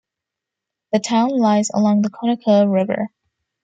The town lies along the Conecuh River.